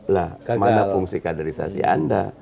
lah mana fungsi kaderisasi anda